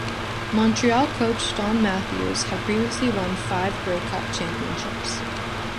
Montreal Coach Don Matthews had previously won five Grey Cup championships.